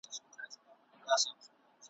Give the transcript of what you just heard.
لکه روڼي د چینې اوبه ځلیږي `